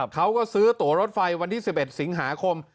เขาก็ซื้อตัวรถไฟวันที่๑๑สิงหาคม